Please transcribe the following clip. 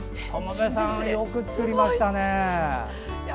友部さん、よく作りましたね。